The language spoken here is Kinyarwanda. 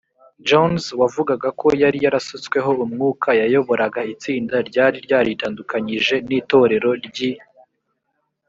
jones wavugaga ko yari yarasutsweho umwuka yayoboraga itsinda ryari ryaritandukanyije n itorero ry i